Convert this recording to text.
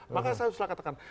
makanya saya selalu katakan